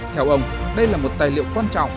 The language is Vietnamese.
theo ông đây là một tài liệu quan trọng